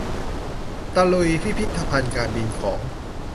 ตะลุยพิพิธภัณฑ์การบินของ